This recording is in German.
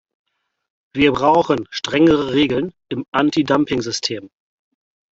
Wir brauchen strengere Regeln im Antidumpingsystem.